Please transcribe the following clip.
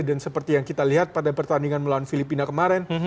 dan seperti yang kita lihat pada pertandingan melawan filipina kemarin